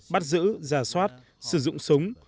bắt giữ ra soát sử dụng súng